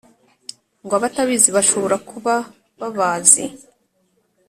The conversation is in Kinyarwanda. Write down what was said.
Ngo abatabazi bashobora kuba babazi